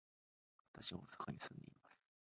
私は大阪に住んでいます。